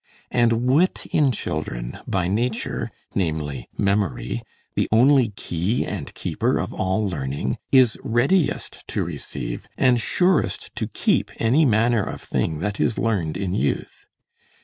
And wit in children, by nature, namely memory, the only key and keeper of all learning, is readiest to receive and surest to keep any manner of thing that is learned in youth.